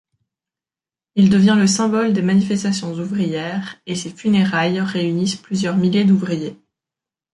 Il devient le symbole des manifestations ouvrières, et ses funérailles réunissent plusieurs milliers d’ouvriers.